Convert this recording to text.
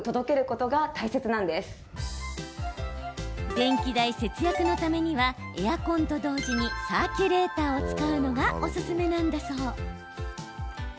電気代節約のためにはエアコンと同時にサーキュレーターを使うのがおすすめなんだそう。